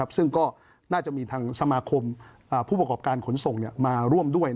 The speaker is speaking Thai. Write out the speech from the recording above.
ซึ่งก็น่าจะมีทางสมาคมผู้ประกอบการขนส่งมาร่วมด้วย